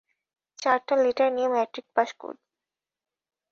চারটা লেটার নিয়ে matric pass করি।